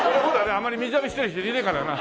あんまり水浴びしてる人いねえからな。